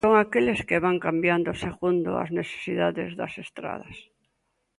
Son aqueles que van cambiando segundo as necesidades das estradas.